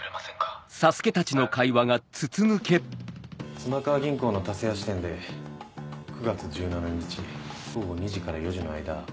妻川銀行の田勢谷支店で９月１７日午後２時から４時の間。